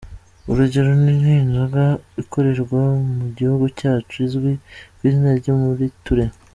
Urugero ni inzoga ikorerwa mu gihugu cyacu izwi kw’izina rya “muriture”.